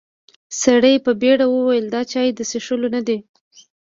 سړي په بيړه وويل: دا چای د څښلو نه دی.